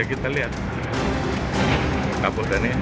berarti kalau dipanggilin kan dihidupin ya pak